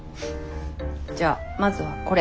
じゃあまずはこれ。